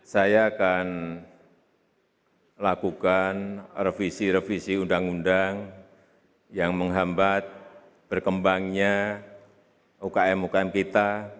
saya akan lakukan revisi revisi undang undang yang menghambat berkembangnya ukm ukm kita